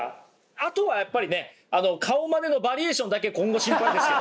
あとはやっぱりね顔マネのバリエーションだけ今後心配ですよ。